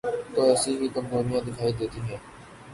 تو ایسی ہی کمزوریاں دکھائی دیتی ہیں۔